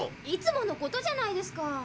いつもの事じゃないですか。